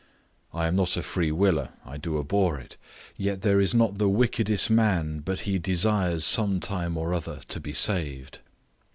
I am not a free willer, I do abhor it; yet there is not the wickedest man but he desires some time or other to be saved.